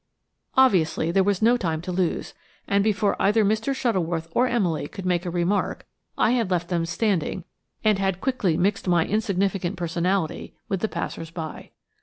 Obviously there was no time to lose, and before either Mr. Shuttleworth or Emily could make a remark I had left them standing, and had quickly mixed my insignificant personality with the passers by.